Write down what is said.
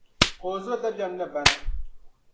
Ka o zo dabiεm ni bana.